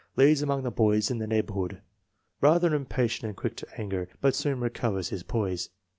Leads among the boys in the neighbor hood. Rather impatient and quick to anger, but soon recovers his poise.